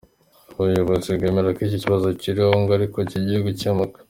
Ubuyobozi bwemera ko iki kibazo kiriho, ngo ariko kigiye gukemuka.